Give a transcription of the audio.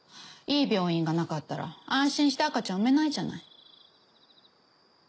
いい病院がなかったら安心して赤ちゃん生めないじゃない。